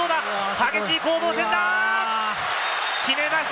激しい攻防戦だ！